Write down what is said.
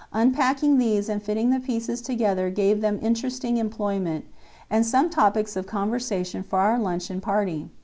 Unpacking these and fitting the pieces together gave them interesting employment, and some topics of conversation for our luncheon party.